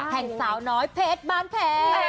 แห่งสาวน้อยเพชรบ้านแพ้